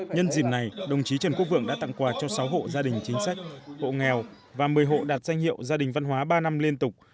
nhân dìm này đồng chí trần quốc vượng đã tặng quà cho sáu hộ gia đình chính sách hộ nghèo và một mươi hộ đạt danh hiệu gia đình văn hóa ba năm liên tục